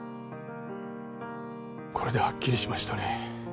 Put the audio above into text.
これではっきりしましたね